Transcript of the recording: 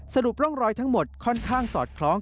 สรุปร่องรอยทั้งหมดค่อนข้างสอดคล้อง